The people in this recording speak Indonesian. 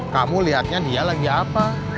kamu lihatnya dia lagi apa